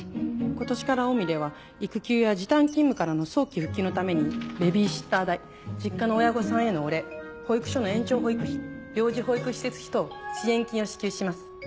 今年からオウミでは育休や時短勤務からの早期復帰のためにベビーシッター代実家の親御さんへのお礼保育所の延長保育費病児保育施設費等支援金を支給します。